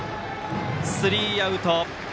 スリーアウト。